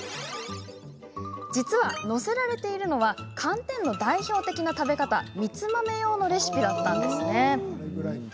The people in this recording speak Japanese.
実は、載せられているのは寒天の代表的な食べ方みつ豆用のレシピだったんです。